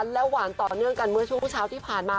และหวานต่อเนื่องกันเมื่อช่วงเช้าที่ผ่านมา